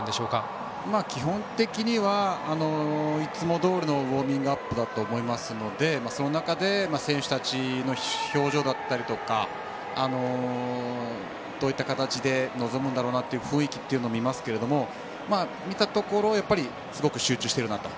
基本的にはいつもどおりのウォーミングアップだと思うのでその中で選手たちの表情だったりどういった形で臨むんだろうなという雰囲気を見ますけど見たところ、すごく集中してると。